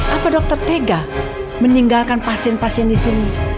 apa dokter tega meninggalkan pasien pasien disini